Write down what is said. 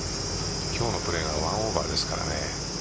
今日のプレーが１オーバーですからね。